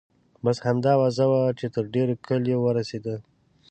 بس همدا اوازه وه چې تر ډېرو کلیو ورسیده.